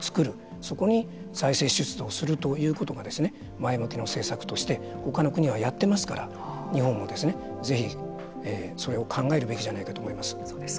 そこに財政出動をするということが前向きな政策として他の国はやってますから日本もですねぜひ、それを考えるべきじゃないかと思います。